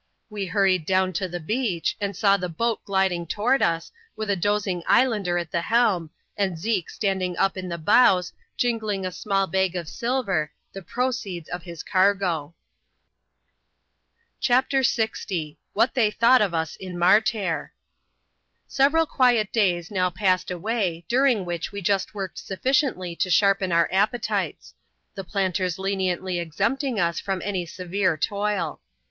We hurried down to the beach, and saw the boat gliding toward us, with a dozing islander at the helm, and Zeke standing up in the bows, jingling a small bag of silver, the proceeds of his cargo. CHAP, uc] WHAT THEY THOUGHT OF US IN MART AIR. 231 CHAPTER LX. What they thought of us in Martair. Several quiet days now passed away, during which we just worked sufficiently to sharpen our appetites ; the planters le niently exempting us from any severe toil.